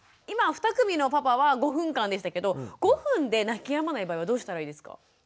今２組のパパは５分間でしたけど５分で泣きやまない場合はどうしたらいいですか？